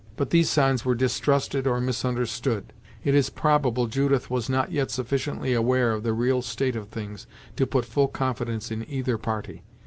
But these signs were distrusted or misunderstood. It is probable Judith was not yet sufficiently aware of the real state of things to put full confidence in either party.